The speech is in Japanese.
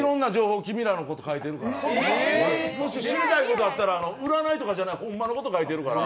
君らのこと書いてるから、知りたいことあったら、占いとかじゃないホンマのこと書いてあるから。